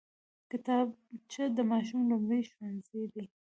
کتابچه د ماشوم لومړی ښوونځی دی